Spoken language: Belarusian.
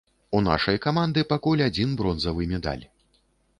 У нашай каманды пакуль адзін бронзавы медаль.